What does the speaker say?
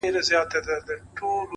ته د رنگونو د خوبونو و سهار ته گډه;